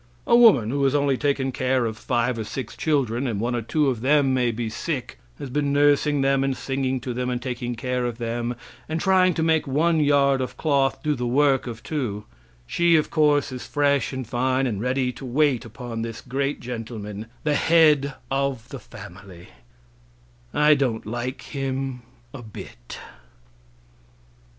A woman who has only taken care of five or six children, and one or two of them may be sick; has been nursing them and singing to them, and taking care of them, and trying to make one yard of cloth do the work of two she, of course, is fresh and fine, and ready to wait upon this great gentleman the head of the family I don't like him a bit!